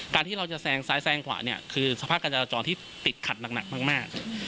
ที่เราจะแซงซ้ายแซงขวาเนี่ยคือสภาพการจราจรที่ติดขัดหนักมาก